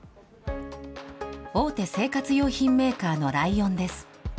大手生活用品メーカーのライオンです。